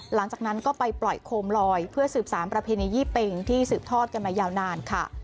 หลังจากนั้นก็ไปปล่อยโคมลอยเพื่อสืบสารประเพณียี่เป็งที่สืบทอดกันมายาวนานค่ะ